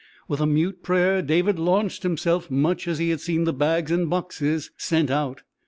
With a mute prayer David launched himself much as he had seen the bags and boxes sent out.